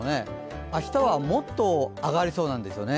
明日はもっと上がりそうなんですよね。